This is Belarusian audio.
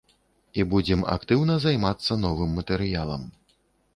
І будзем актыўна займацца новым матэрыялам.